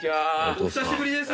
お久しぶりです。